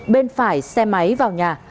bên phải xe máy vào nhà